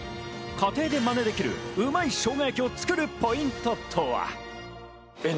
家庭でマネできるうまい生姜焼きを作るポイントとは？